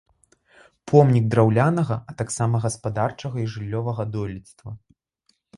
Помнік драўлянага, а таксама гаспадарчага і жыллёвага дойлідства.